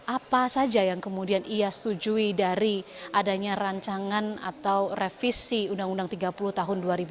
apa saja yang kemudian ia setujui dari adanya rancangan atau revisi undang undang tiga puluh tahun dua ribu dua